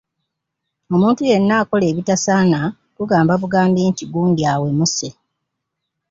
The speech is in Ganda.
Omuntu yenna akola ebitasaana tugamba bugambi nti gundi awemuse.